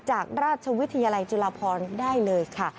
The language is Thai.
จากราชวิทยาลัยจุฬาพรได้เลยค่ะ